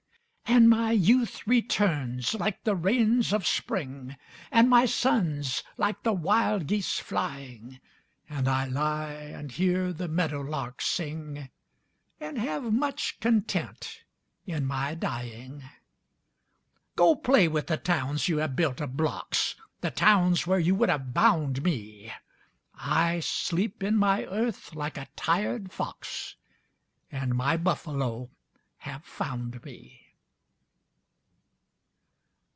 And my youth returns, like the rains of Spring, And my sons, like the wild geese flying; And I lie and hear the meadow lark sing And have much content in my dying. Go play with the towns you have built of blocks, The towns where you would have bound me! I sleep in my earth like a tired fox, And my buffalo have found me.